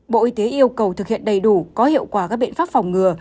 bộ y tế yêu cầu thực hiện đầy đủ có hiệu quả các biện pháp phòng ngừa